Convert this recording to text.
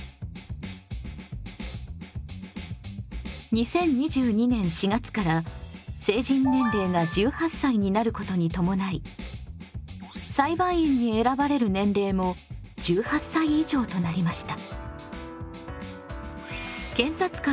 ２０２２年４月から成人年齢が１８歳になることに伴い裁判員に選ばれる年齢も１８歳以上となりました。